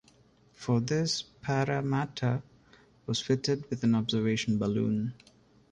For this, "Parramatta" was fitted with an observation balloon.